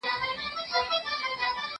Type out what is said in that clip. کتابونه د زده کوونکو له خوا لوستل کيږي!.